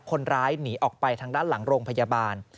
คนร้ายหนีออกไปทางด้านหลังโรงพยาบาล